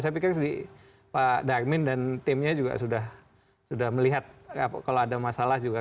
saya pikir pak darmin dan timnya juga sudah melihat kalau ada masalah juga